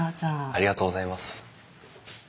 ありがとうございます。